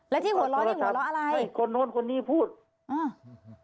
แล้วที่หัวเราะนี่หัวเราะอะไรคนนู้นคนนี้พูดอ่า